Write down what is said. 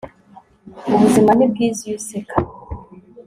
ubuzima ni bwiza iyo useka